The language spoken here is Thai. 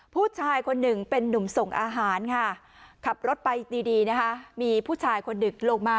ผู้ชายคนหนึ่งเป็นนุ่มส่งอาหารค่ะขับรถไปดีนะคะมีผู้ชายคนหนึ่งลงมา